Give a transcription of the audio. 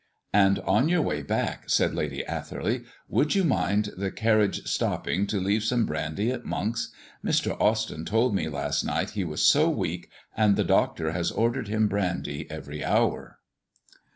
"And on your way back," said Lady Atherley, "would you mind the carriage stopping to leave some brandy at Monk's? Mr. Austyn told me last night he was so weak, and the doctor has ordered him brandy every hour."